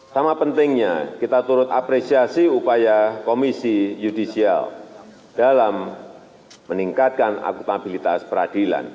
sama pentingnya kita turut apresiasi upaya komisi yudisial dalam meningkatkan akutabilitas peradilan